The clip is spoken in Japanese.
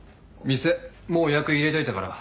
店もう予約入れといたから。